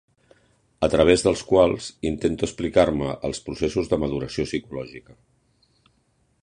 ...a través dels quals intente explicar-me els processos de maduració psicològica.